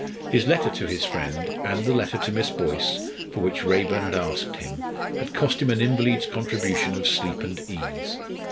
His letter to his friend, and the letter to Miss Boyce for which Raeburn had asked him, had cost him an invalid's contribution of sleep and ease.